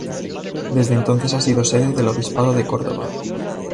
Desde entonces ha sido sede del Obispado de Córdoba.